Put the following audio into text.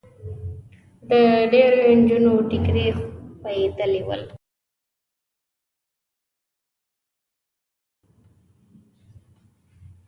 د ډېریو نجونو ټیکري خوېدلي ول.